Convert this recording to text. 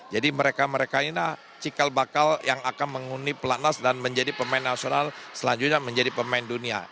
jadi mereka mereka ini cikal bakal yang akan menghuni pelatnas dan menjadi pemain nasional selanjutnya menjadi pemain dunia